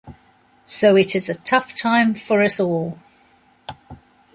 So it is a tough time for us all.